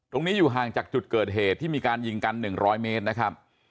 อยู่ห่างจากจุดเกิดเหตุที่มีการยิงกัน๑๐๐เมตรนะครับ